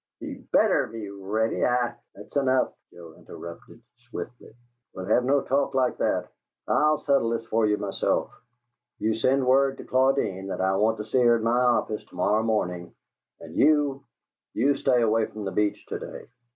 He BETTER be ready. I " "That's enough!" Joe interrupted, swiftly. "We'll have no talk like that. I'll settle this for you, myself. You send word to Claudine that I want to see her at my office to morrow morning, and you you stay away from the Beach to day.